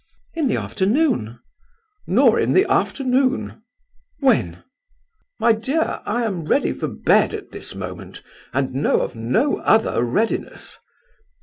"In the afternoon?" "Nor in the afternoon." "When?" "My dear, I am ready for bed at this moment, and know of no other readiness.